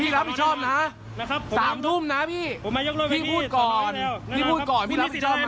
รับผิดชอบนะ๓ทุ่มนะพี่พี่พูดก่อนพี่พูดก่อนพี่รับผิดชอบนะ